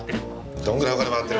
どんぐらいお金もらってる？